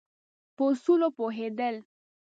په اصولو پوهېدل.